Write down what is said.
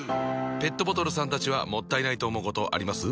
ペットボトルさんたちはもったいないと思うことあります？